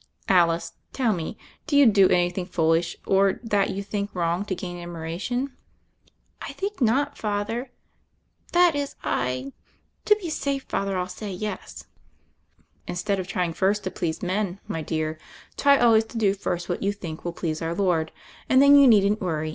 "Alice, tell me : do you do anything foolish, or that you think wrong to gain admiration ?" "I think not, Father; that is I — to be safe. Father, I'll say yes." "Instead of trying first to please men, my dear, try always to do first what you think will please Our Lord, and then you needn't worry.